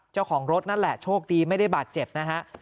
เจ้าของรถนั่นแหละโชคดีไม่ได้บาดเจ็บนะฮะ